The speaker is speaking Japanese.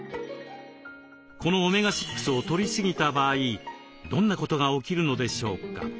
このオメガ６をとりすぎた場合どんなことが起きるのでしょうか。